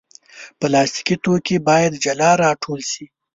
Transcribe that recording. پلاستيکي توکي باید جلا راټول شي.